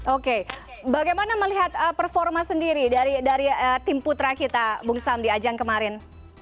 oke bagaimana melihat performa sendiri dari tim putra kita bung sam di ajang kemarin